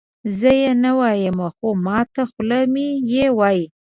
زه یې نه وایم خو ماته خوله مې یې وایي.